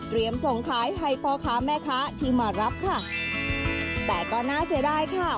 ส่งขายให้พ่อค้าแม่ค้าที่มารับค่ะแต่ก็น่าเสียดายค่ะ